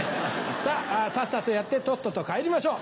さぁさっさとやってとっとと帰りましょう。